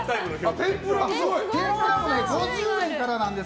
天ぷらも５０円からなんです。